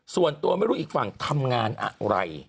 ส่วนตัวไม่รู้อีกฝั่งทำงานอะไร